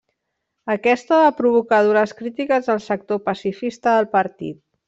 Aquesta va provocar dures crítiques del sector pacifista del partit.